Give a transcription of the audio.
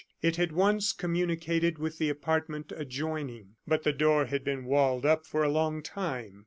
It had once communicated with the apartment adjoining; but the door had been walled up for a long time.